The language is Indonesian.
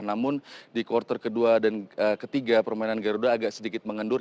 namun di kuartal kedua dan ketiga permainan garuda agak sedikit mengendur